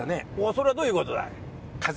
それはどういう事だい？